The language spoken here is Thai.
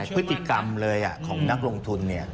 พฤติกรรมเลยอ่ะของนักลงทุนเนี่ย